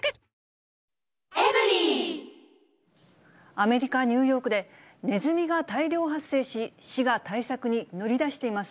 アメリカ・ニューヨークで、ネズミが大量発生し、市が対策に乗り出しています。